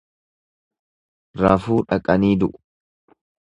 Rafuu dhaqanii du'u.